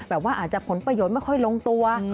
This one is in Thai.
แบบว่าอาจจะผลประโยชน์ไม่ค่อยลงตัว